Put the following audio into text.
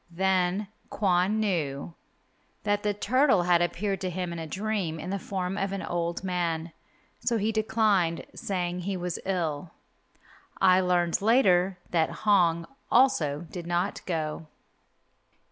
Then Kwon knew that the turtle had appeared to him in a dream in the form of an old man, so he declined, saying he was ill. I learned later that Hong also did not go.